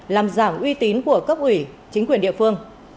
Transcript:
làm giảm uy tín của cấp ủy chính quyền địa phương